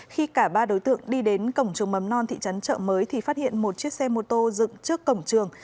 khi cả ba đối tượng đi đến cổng trường mầm non thị trấn trợ mới thì phát hiện một chiếc xe mô tô dựng trước cổng trường